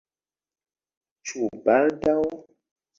Ĉu baldaŭ?